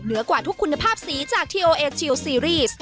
เหนือกว่าทุกคุณภาพสีจากที่โอเอชิลซีรีส